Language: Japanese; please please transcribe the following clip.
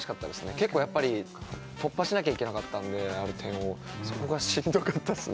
結構突破しなきゃいけなかったんである点をそこがしんどかったですね